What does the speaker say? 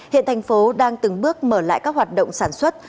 hiện thành phố đang từng bước mở lại các hoạt động sản xuất